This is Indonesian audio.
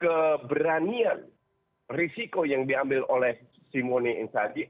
keberanian risiko yang diambil oleh simeone dan inzaghi